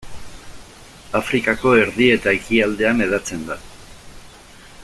Afrikako erdi eta ekialdean hedatzen da.